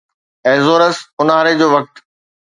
Azores اونهاري جو وقت